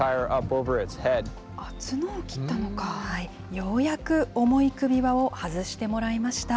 ようやく重い首輪を外してもらいました。